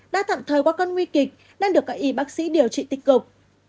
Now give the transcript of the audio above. đã thậm thời qua con nguy kịch đang được cãi y bác sĩ điều trị tích cục